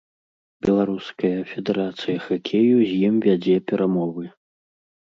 Беларуская федэрацыя хакею з ім вядзе перамовы.